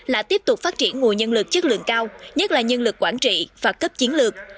là tiếp tục phát triển nguồn nhân lực chất lượng cao nhất là nhân lực quản trị và cấp chiến lược